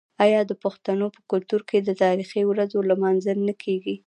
آیا د پښتنو په کلتور کې د تاریخي ورځو لمانځل نه کیږي؟